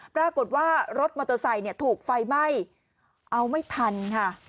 ปรากฏว่ารถมอเตอร์ไซค์ถูกไฟไหม้เอาไม่ทันค่ะ